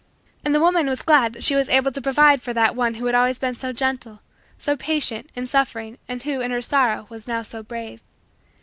And the woman was glad that she was able to provide for that one who had always been so gentle, so patient, in suffering and who, in her sorrow, was now so brave.